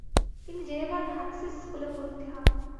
তিনি জেনেভার হাক্সিস স্কুলে ভর্তি হন।